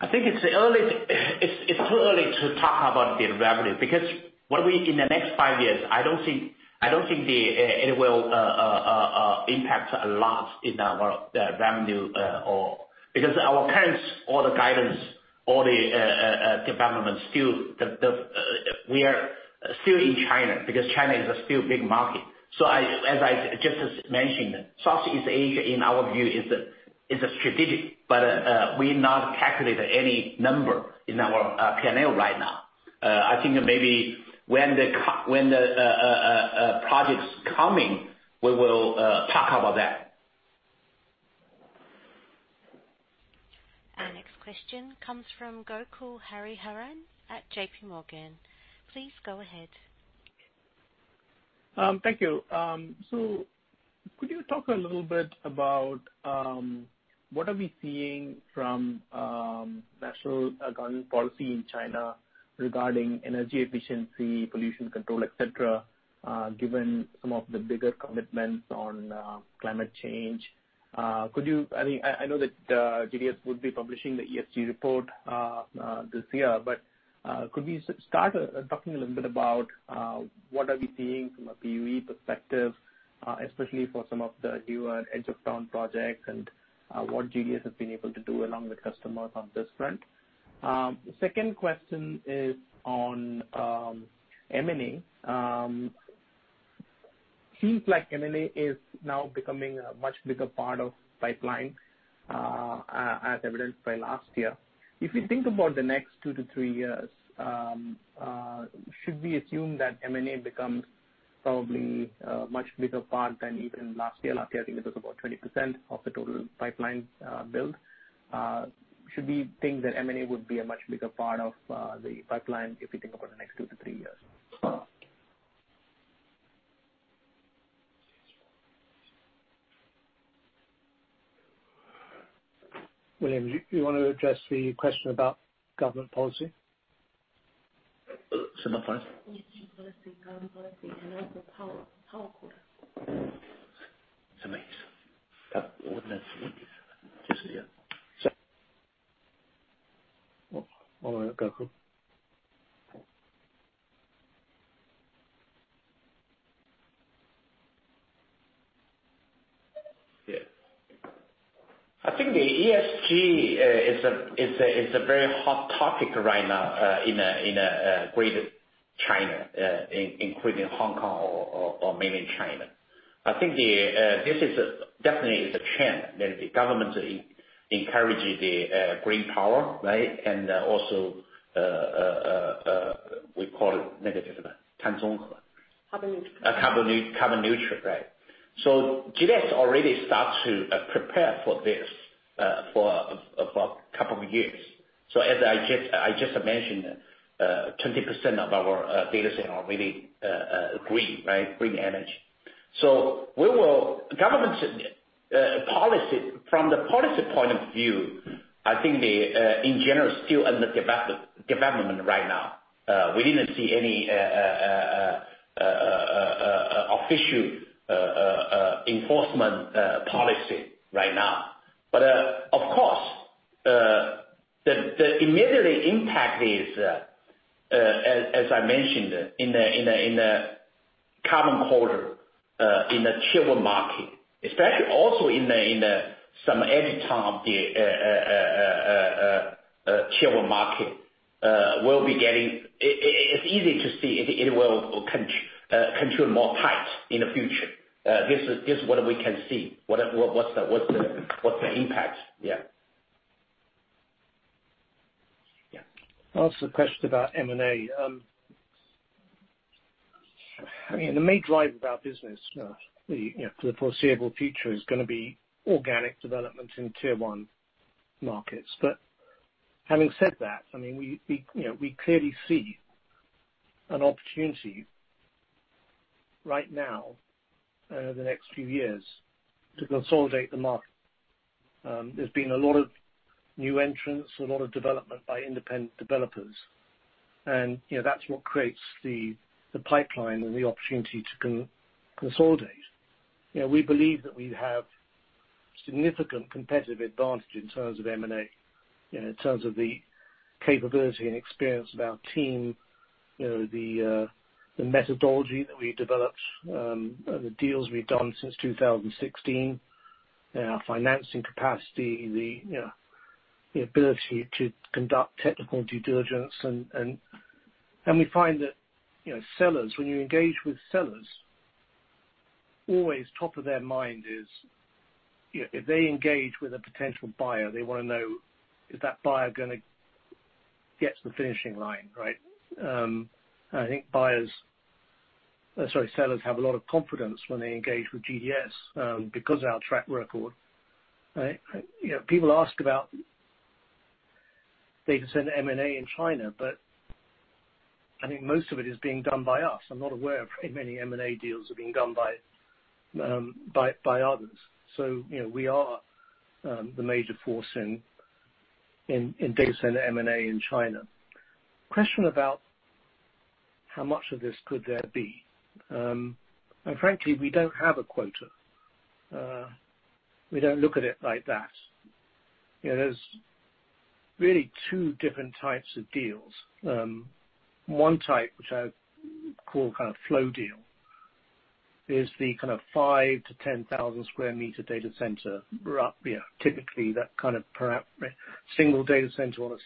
I think it's too early to talk about the revenue, because in the next five years, I don't think it will impact a lot in our revenue. Our current, all the guidance, all the development, we are still in China, because China is still a big market. As I just mentioned, Southeast Asia, in our view, is strategic, but we've not calculated any number in our P&L right now. I think maybe when the project's coming, we will talk about that. Our next question comes from Gokul Hariharan at JPMorgan. Please go ahead. Thank you. Could you talk a little bit about what are we seeing from national government policy in China regarding energy efficiency, pollution control, et cetera, given some of the bigger commitments on climate change? I know that GDS would be publishing the ESG report this year, but could we start talking a little bit about what are we seeing from a PUE perspective, especially for some of the newer edge-of-town projects, and what GDS has been able to do along with customers on this front? Second question is on M&A. Seems like M&A is now becoming a much bigger part of pipeline, as evidenced by last year. If you think about the next two to three years, should we assume that M&A becomes probably a much bigger part than even last year? Last year, I think it was about 20% of the total pipeline build. Should we think that M&A would be a much bigger part of the pipeline if you think about the next two to three years? William, do you want to address the question about government policy? Say that again. ESG policy, government policy, and also power quota. To me. Ordinance. Just yeah. Yeah. I think the ESG is a very hot topic right now in Greater China, including Hong Kong or mainland China. I think this is definitely a trend. The government encourages the green power, and also, we call it negative. Carbon neutral. Carbon neutral. GDS already start to prepare for this for a couple of years. As I just mentioned, 20% of our data center are really green energy. From the policy point of view, I think in general, still under development right now. We didn't see any official enforcement policy right now. Of course, the immediate impact is, as I mentioned, in the carbon quota, in the Tier 1 market, especially also in some edge town of the Tier 1 market. It's easy to see it will control more tight in the future. This is what we can see. What's the impact? Yeah. I'll answer the question about M&A. The main drive of our business for the foreseeable future is going to be organic development in tier 1 markets. Having said that, we clearly see an opportunity right now, the next few years, to consolidate the market. There's been a lot of new entrants, a lot of development by independent developers, and that's what creates the pipeline and the opportunity to consolidate. We believe that we have significant competitive advantage in terms of M&A, in terms of the capability and experience of our team, the methodology that we developed, the deals we've done since 2016, our financing capacity, the ability to conduct technical due diligence. We find that when you engage with sellers, always top of their mind is if they engage with a potential buyer, they want to know, is that buyer going to get to the finishing line, right? I think sellers have a lot of confidence when they engage with GDS because of our track record, right? People ask about data center M&A in China. I think most of it is being done by us. I'm not aware of many M&A deals that are being done by others. We are the major force in data center M&A in China. Question about how much of this could there be. Frankly, we don't have a quota. We don't look at it like that. There's really two different types of deals. One type, which I call flow deal, is the kind of 5,000 sq m to 10,000 sq m data center, typically that kind of single data center or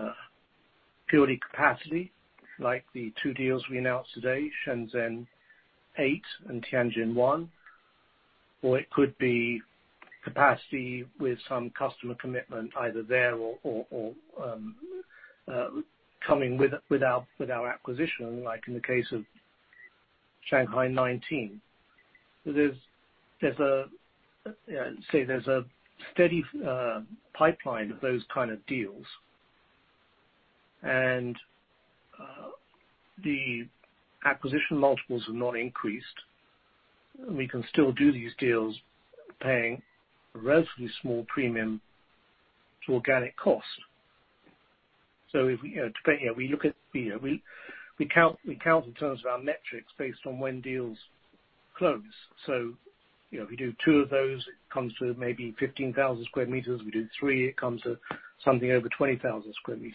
a purely capacity like the two deals we announced today, Shenzhen 8 and Tianjin 1. It could be capacity with some customer commitment either there or coming with our acquisition, like in the case of Shanghai 19. Say there's a steady pipeline of those kind of deals and the acquisition multiples have not increased. We can still do these deals paying a relatively small premium to organic cost. We count in terms of our metrics based on when deals close. If we do two of those, it comes to maybe 15,000 sq m. We do three, it comes to something over 20,000 sq m.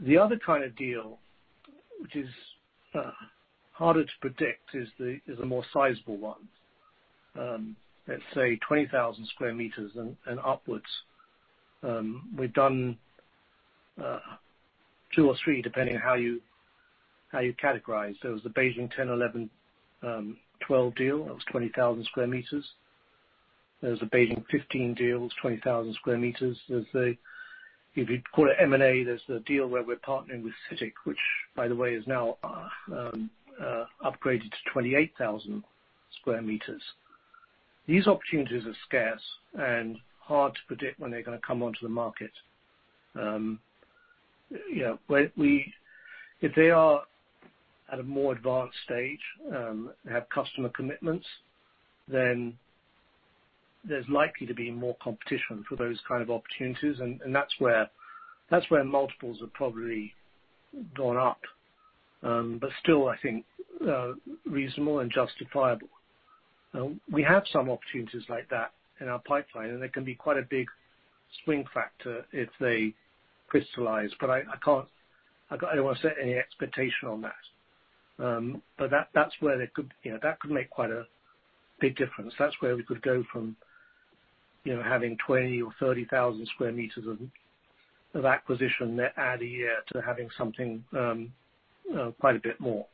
The other kind of deal, which is harder to predict, is the more sizable ones. Let's say 20,000 sq m and upwards. We've done two or three, depending on how you categorize. There was the Beijing 10, 11, 12 deal. That was 20,000 sq m. There's the Beijing 15 deal. It was 20,000 sq m. If you call it M&A, there's the deal where we're partnering with CITIC, which by the way, is now upgraded to 28,000 sq m. These opportunities are scarce and hard to predict when they're going to come onto the market. If they are at a more advanced stage, have customer commitments, there's likely to be more competition for those kind of opportunities. That's where multiples have probably gone up. Still, I think reasonable and justifiable. We have some opportunities like that in our pipeline, and they can be quite a big swing factor if they crystallize. I don't want to set any expectation on that. That could make quite a big difference. That's where we could go from having 20,000 sq m or 30,000 sq m of acquisition net add a year to having something quite a bit more.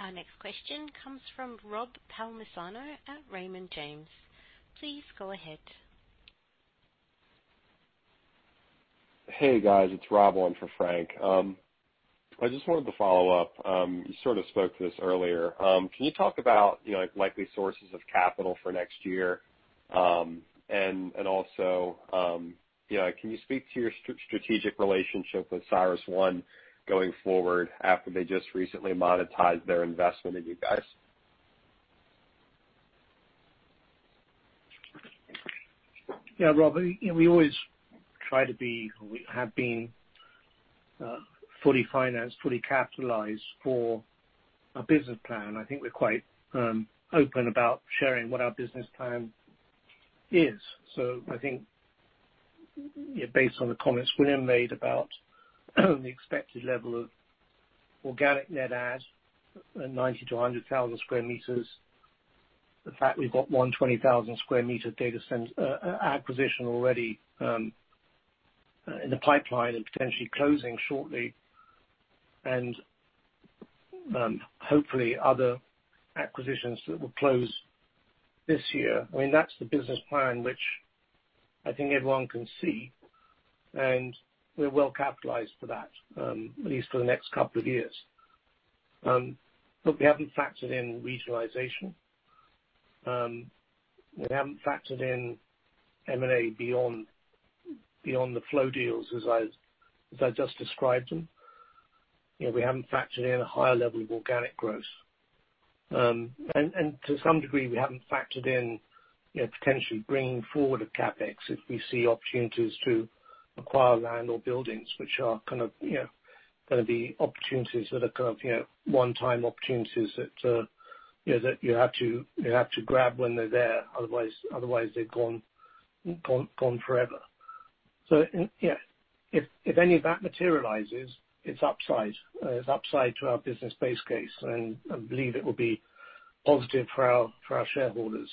Our next question comes from Rob Palmisano at Raymond James. Please go ahead. Hey, guys. It's Rob on for Frank. I just wanted to follow up. You sort of spoke to this earlier. Can you talk about likely sources of capital for next year? Can you speak to your strategic relationship with CyrusOne going forward after they just recently monetized their investment in you guys? Yeah, Rob, we always try to be, or we have been fully financed, fully capitalized for our business plan. I think we're quite open about sharing what our business plan is. I think based on the comments William made about the expected level of organic net add at 90,000 sq m-100,000 sq m. The fact we've got 120,000 sq m data center acquisition already in the pipeline and potentially closing shortly. Hopefully, other acquisitions that will close this year. That's the business plan which I think everyone can see, and we're well capitalized for that. At least for the next couple of years. Look, we haven't factored in regionalization. We haven't factored in M&A beyond the flow deals as I just described them. We haven't factored in a higher level of organic growth. To some degree, we haven't factored in potentially bringing forward a CapEx if we see opportunities to acquire land or buildings, which are going to be opportunities that are one time opportunities that you have to grab when they're there, otherwise they're gone forever. If any of that materializes, it's upside to our business base case, and I believe it will be positive for our shareholders.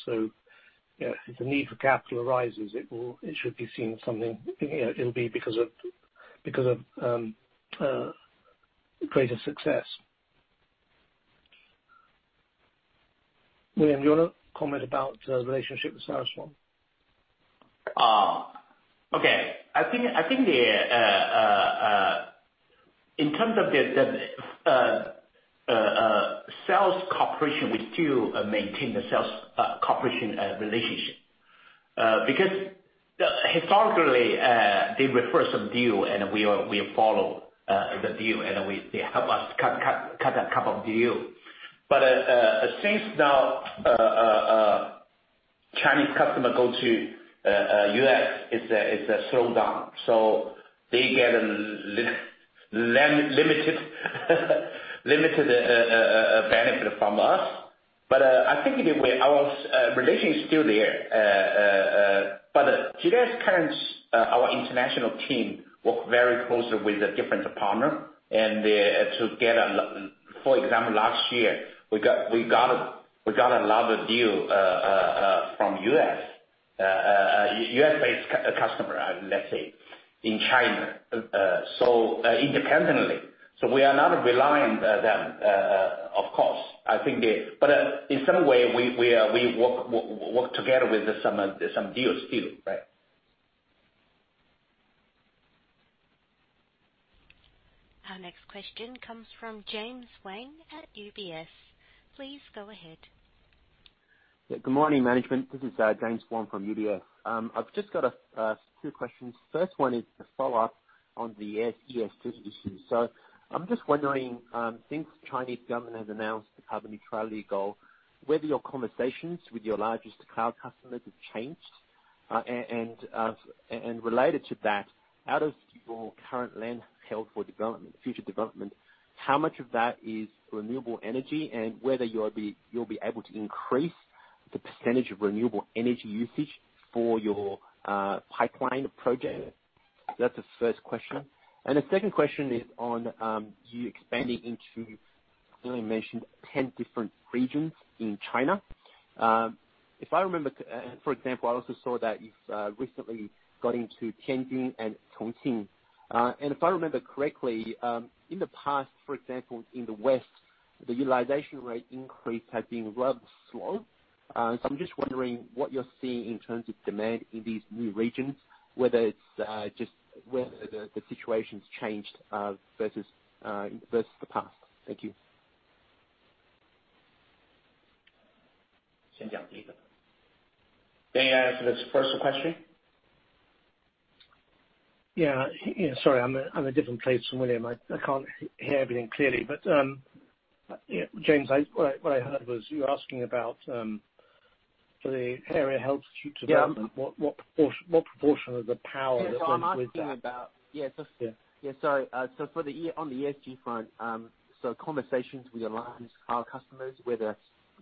If the need for capital arises, it should be seen as something, it'll be because of greater success. William, do you want to comment about the relationship with CyrusOne? Okay. I think in terms of the sales cooperation, we still maintain the sales cooperation relationship. Because historically, they refer some deal and we follow the deal, and they help us cut a couple of deals. Since now Chinese customer go to U.S., it's a slowdown. They get a limited benefit from us. I think our relationship is still there. GDS current, our international team work very closely with the different partner and to get for example, last year we got another deal from U.S. based customer, let's say, in China independently. We are not relying on them, of course. In some way, we work together with some deals still, right? Our next question comes from James Wang at UBS. Please go ahead. Good morning, management. This is James Wang from UBS. I've just got two questions. First one is a follow-up on the ESG issues. I'm just wondering, since Chinese government has announced the carbon neutrality goal, whether your conversations with your largest cloud customers have changed? Related to that, out of your current land held for development, future development, how much of that is renewable energy and whether you'll be able to increase the percentage of renewable energy usage for your pipeline projects? That's the first question. The second question is on you expanding into, you mentioned 10 different regions in China. For example, I also saw that you've recently got into Tianjin and Chongqing. If I remember correctly, in the past, for example, in the West, the utilization rate increase has been rather slow. I'm just wondering what you're seeing in terms of demand in these new regions, whether the situation's changed versus the past. Thank you. May I answer this first question? Yeah. Sorry, I'm in a different place from William. I can't hear everything clearly. James, what I heard was you asking about for the area held for development? Yeah What proportion of the power that comes with that? Yeah. I'm asking. Yeah. Yeah. On the ESG front, so conversations with your largest cloud customers, whether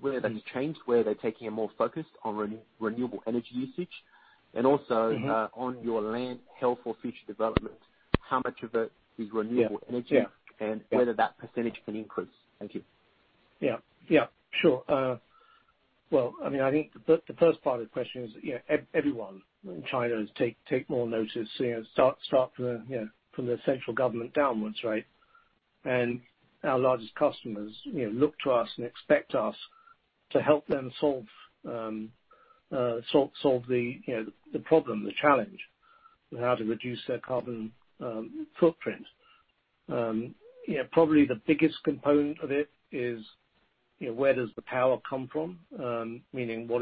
that has changed, whether they're taking a more focus on renewable energy usage? On your land held for future development, how much of it is renewable energy? Yeah. Whether that percentage can increase. Thank you. Yeah. Sure. Well, I think the first part of the question is everyone in China is take more notice, start from the central government downwards, right? Our largest customers look to us and expect us to help them solve the problem, the challenge with how to reduce their carbon footprint. Probably the biggest component of it is where does the power come from? Meaning, what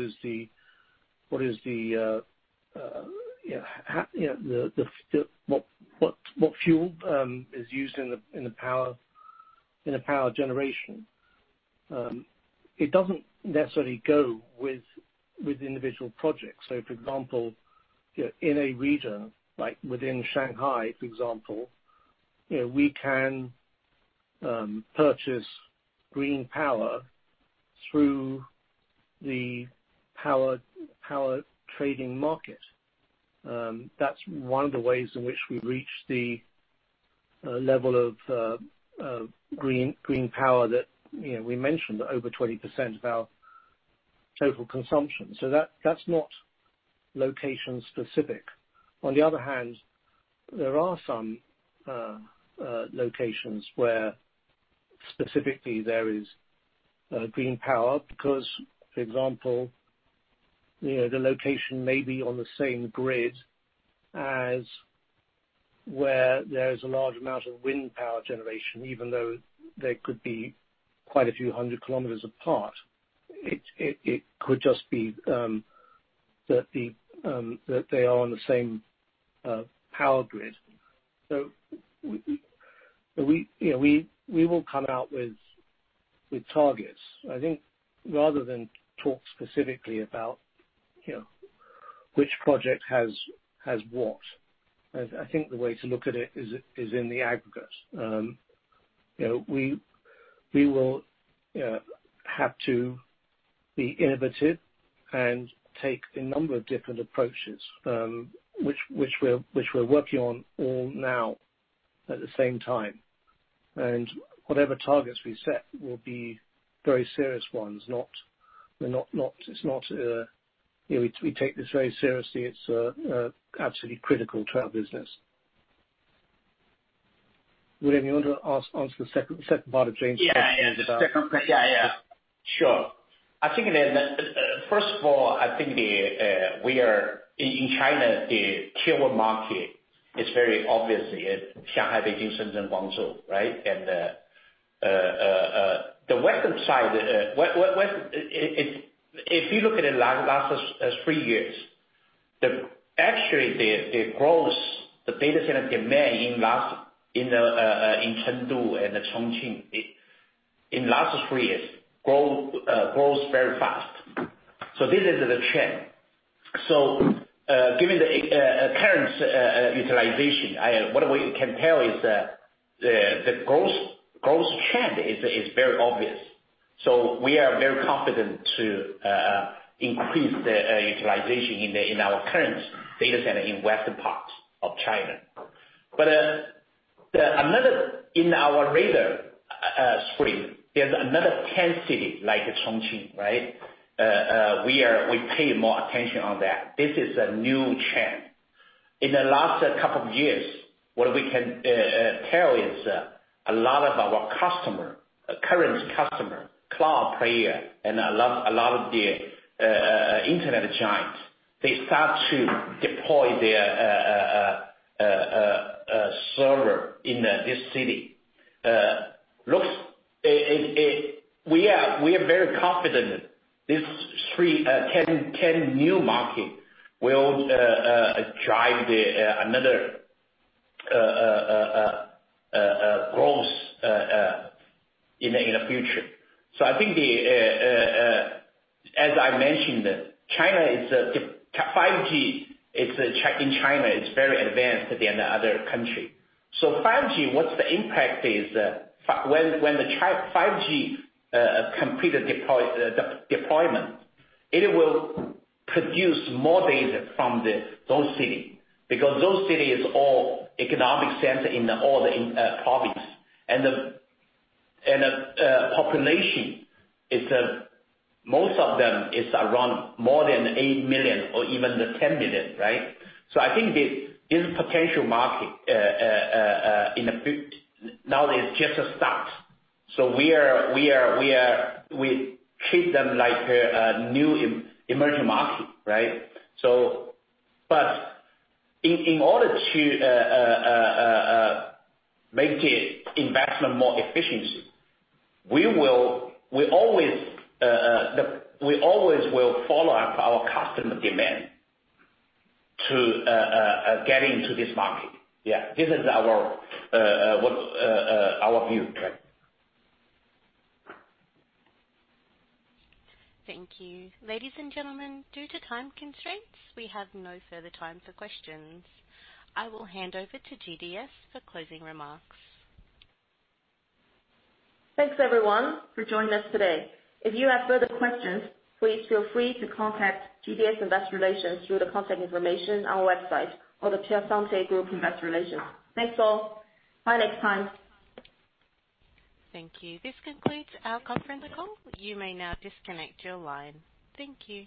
fuel is used in the power generation. It doesn't necessarily go with individual projects. For example, in a region like within Shanghai, for example, we can purchase green power through the power trading market. That's one of the ways in which we reach the level of green power that we mentioned, over 20% of our total consumption. That's not location specific. There are some locations where specifically there is green power because, for example, the location may be on the same grid as where there is a large amount of wind power generation, even though they could be quite a few hundred km apart. It could just be that they are on the same power grid. We will come out with targets. I think rather than talk specifically about which project has what, I think the way to look at it is in the aggregate. We will have to be innovative and take a number of different approaches, which we're working on all now at the same time. Whatever targets we set will be very serious ones. We take this very seriously. It's absolutely critical to our business. William, you want to answer the second part of James' question? Yeah. Sure. I think, first of all, I think in China, the Tier 1 market is very obviously Shanghai, Beijing, Shenzhen, Guangzhou, right? The western side, if you look at the last three years, actually the growth, the data center demand in Chengdu and Chongqing in last three years grows very fast. This is the trend. Given the current utilization, what we can tell is that the growth trend is very obvious. We are very confident to increase the utilization in our current data center in western part of China. In our radar screen, there's another 10 cities like Chongqing, right? We pay more attention on that. This is a new trend. In the last couple of years, what we can tell is a lot of our customer, current customer, cloud player, and a lot of the internet giants, they start to deploy their server in this city. We are very confident these 10 new market will drive another growth in the future. I think as I mentioned, 5G in China is very advanced than the other country. 5G, what's the impact is when the 5G complete the deployment, it will produce more data from those cities because those cities all economic center in all the province. The population, most of them is around more than eight million or even the 10 million, right? I think this potential market now is just a start. We treat them like a new emerging market, right? In order to make the investment more efficient, we always will follow up our customer demand to get into this market. Yeah. This is our view. Thank you. Ladies and gentlemen, due to time constraints, we have no further time for questions. I will hand over to GDS for closing remarks. Thanks everyone for joining us today. If you have further questions, please feel free to contact GDS Investor Relations through the contact information on our website or the Christensen Group Investor Relations. Thanks all. Bye next time. Thank you. This concludes our conference call. You may now disconnect your lines. Thank you.